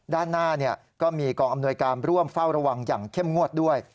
ด้านหน้าก็มีกองอำนวยการร่วมเฝ้าระวังอย่างเข้มงวดด้วย